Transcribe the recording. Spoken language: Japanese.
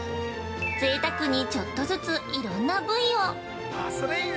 ぜいたくにちょっとずついろんな部位を。